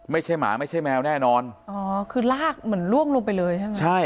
หมาไม่ใช่แมวแน่นอนอ๋อคือลากเหมือนล่วงลงไปเลยใช่ไหมใช่